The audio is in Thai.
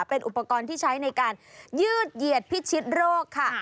เป็นอุปกรณ์ที่ใช้ในการยืดเหยียดพิชิตโรคค่ะ